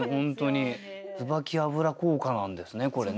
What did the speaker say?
椿油効果なんですねこれね。